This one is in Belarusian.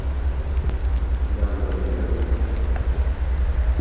Нам не трэба дзяліцца.